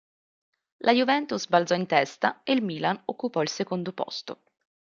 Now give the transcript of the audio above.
La Juventus balzò in testa e il Milan occupò il secondo posto.